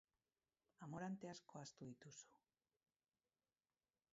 Amorante asko ahaztu dituzu.